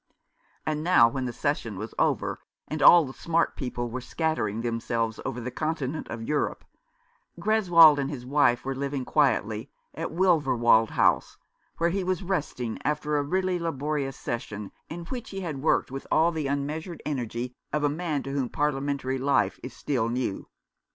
And now, when the session was over, and all the smart people were scattering themselves over the continent of Europe, Greswold and his wife were living quietly at Wilverwold House, where he was resting after a really laborious session, in which he had worked with all the unmeasured energy of a man to whom Parliamentary life is still new.